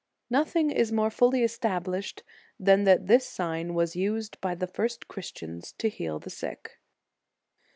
Nothing is more fully established than that this sign was used by the first Christians to heal the sick.